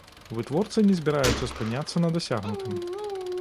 Вытворцы не збіраюцца спыняцца на дасягнутым.